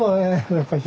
やっぱし。